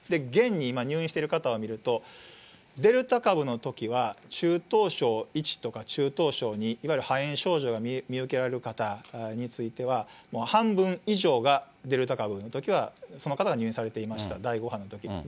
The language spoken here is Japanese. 現に今、入院している方を見ると、デルタ株のときは中等症１とか、中等症２、肺炎症状が見受けられる方については、半分以上が、デルタ株のときは、その方が入院されていました、第５波のとき。